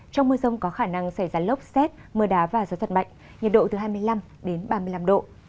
trong mưa rông có khả năng xảy ra lốc xét mưa đá và gió giật mạnh nhiệt độ từ hai mươi năm đến ba mươi năm độ